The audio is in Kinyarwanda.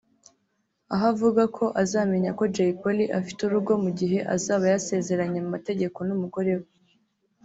Aho avuga ko azamenya ko Jay Polly afite urugo mugihe azaba yasezeranye mu mategeko n’umugore we